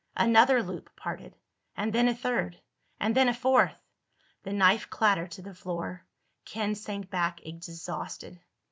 Another loop parted. And then a third. And then a fourth. The knife clattered to the floor. Ken sank back, exhausted.